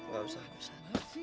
gak usah gak usah